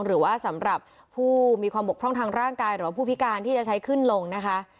หรือว่าสำหรับผู้มีความบกพร่องทางร่างกายหรือว่าผู้พิการที่จะใช้ขึ้นลงนะคะ